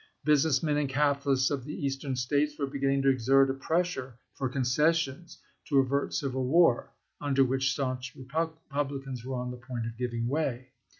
Business men and capitalists of the Eastern States were beginning to exert a pressure for con cessions to avert civil war, under which stanch Republicans were on the point of giving way.